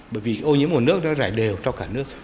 bởi vì ô nhiễm mùa nước nó rải đều trong cả nước